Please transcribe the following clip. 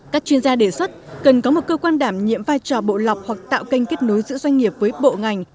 các chuyên gia đề xuất cần có một cơ quan đảm nhiệm vai trò bộ lọc hoặc tạo kênh kết nối giữa doanh nghiệp với bộ ngành